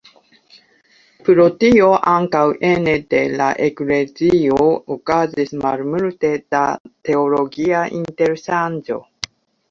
Pro tio ankaŭ ene de la eklezio okazis malmulte da teologia interŝanĝo.